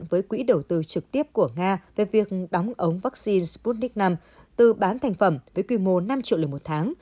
với quỹ đầu tư trực tiếp của nga về việc đóng ống vaccine sputnik v từ bán thành phẩm với quy mô năm triệu liều một tháng